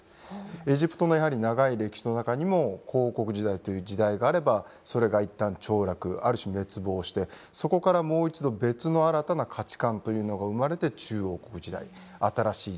エジプトの長い歴史の中にも古王国時代という時代があればそれが一旦凋落ある種滅亡してそこからもう一度別の新たな価値観というのが生まれて中王国時代新しい時代。